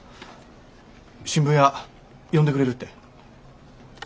新聞屋呼んでくれるって？